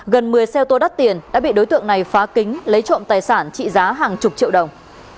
gần một mươi xe ô tô đắt tiền đã bị đối tượng này phá kính lấy trộm tài sản trị giá hàng chục triệu đồng